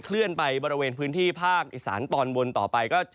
เลื่อนไปบริเวณพื้นที่ภาคอีสานตอนบนต่อไปก็